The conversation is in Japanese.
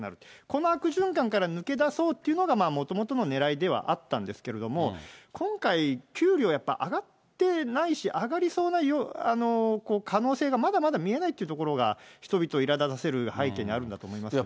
この悪循環から抜け出そうというのがもともとのねらいではあったんですけれども、今回、給料やっぱり上がってないし、上がりそうな可能性がまだまだ見えないっていうところが人々をいらだたせる背景にあるんだと思いますね。